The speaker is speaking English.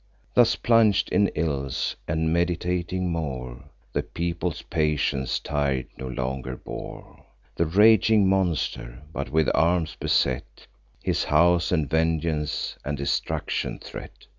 Thus plung'd in ills, and meditating more— The people's patience, tir'd, no longer bore The raging monster; but with arms beset His house, and vengeance and destruction threat.